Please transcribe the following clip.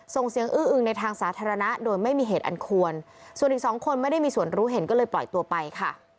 ส่งเสียงอื้ออึงในทางสาธารณะโดยไม่มีเหตุอันควรส่วนอีกสองคนไม่ได้มีส่วนรู้เห็นก็เลยปล่อยตัวไปค่ะ